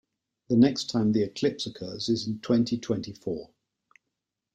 The next time the eclipse occurs is in twenty-twenty-four.